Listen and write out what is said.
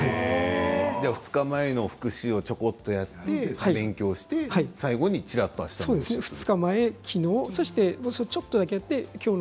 ２日前の復習をちょこっとやって、勉強して最後にちらっとあしたの勉強をする。